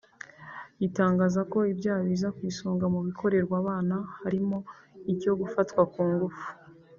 Itangaza ko ibyaha biza ku isonga mu bikorerwa abana harimo icyo gufatwa ku ngufu